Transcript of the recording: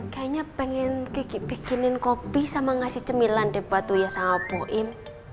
kayaknya pengen kiki bikinin kopi sama ngasih cemilan deh buat tuyas sama opoin